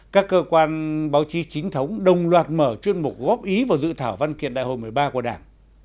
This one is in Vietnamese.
các cơ quan báo chí chính thống đồng loạt mở chuyên mục góp ý vào dự thảo văn kiện đại hội một mươi ba của đảng